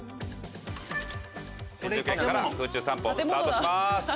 新宿駅から空中散歩スタートします！